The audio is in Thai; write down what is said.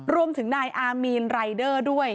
รวมถึงนายอามีนรายเดอร์ด้วย